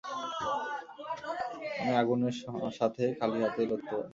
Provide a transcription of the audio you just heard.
আমি আগুনের সাথে খালি হাতেই লড়তে পারি।